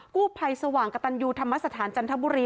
กู้ภัยสว่างกระตันยูธรรมสถานจันทบุรี